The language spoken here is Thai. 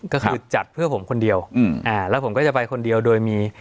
ก็คือจัดเพื่อผมคนเดียวแล้วผมก็จะไปคนเดียวโดยมี